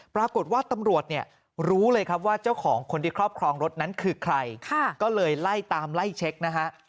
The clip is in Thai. ปรากฏว่าตำรวจเนี่ยรู้เลยครับว่าเจ้าของคนที่ครอบครองรถนั้นคือใครก็เลยไล่ตามไล่เช็คนะฮะ